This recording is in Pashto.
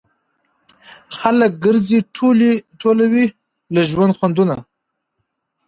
خلک ګرځي ټولوي له ژوند خوندونه